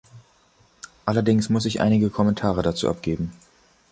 Allerdings muss ich einige Kommentare dazu abgeben.